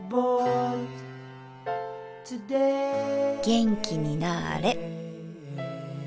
元気になあれ。